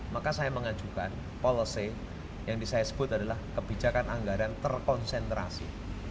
maka saya mengajukan policy yang saya sebut adalah kebijakan anggaran terkonsentrasi